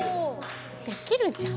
できるじゃん！